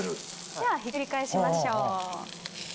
ではひっくり返しましょう。